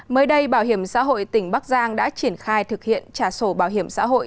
mới đây bảo hiểm xã hội tỉnh bắc giang đã triển khai thực hiện trả sổ bảo hiểm xã hội